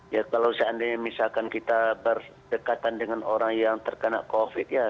ya kalau seandainya misalkan kita berdekatan dengan orang yang terkena covid ya